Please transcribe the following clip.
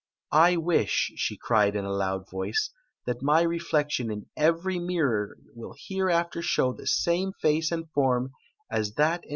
" I wish," she cried in a loud voice, "that my reflec faon in every mirror will hereafter show the same face and form as that in whi.